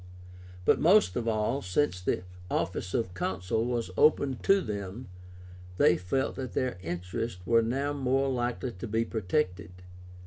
But most of all, since the office of Consul was open to them, they felt that their interests were now more likely to be protected.